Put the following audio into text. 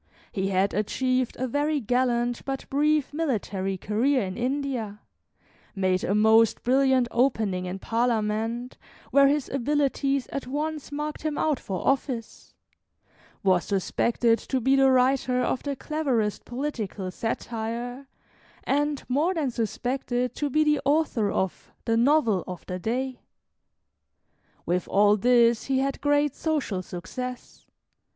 He had achieved a very gallant but brief military career in India, made a most brilliant opening in Parliament, where his abilities at once marked him out for office, was suspected to be the writer of the cleverest political satire, and more than suspected to be the author of "the novel" of the day. With all this, he had great social success.